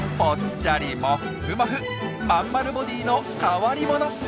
まんまるボディーの変わり者。